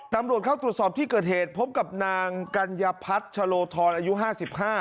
ตำรวจเข้าตรวจสอบที่เกิดเหตุพบกับนางกัญญพัฒน์ชะโลทรอายุห้าสิบห้า